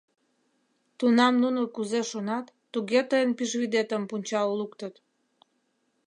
Тунам нуно кузе шонат, туге тыйын пӱжвӱдетым пунчал луктыт.